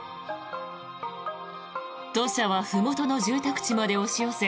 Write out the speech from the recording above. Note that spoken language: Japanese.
土砂はふもとの住宅地まで押し寄せ